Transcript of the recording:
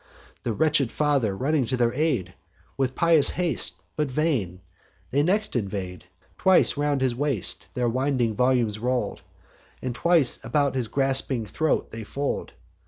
The wretched father, running to their aid With pious haste, but vain, they next invade; Twice round his waist their winding volumes roll'd; And twice about his gasping throat they fold.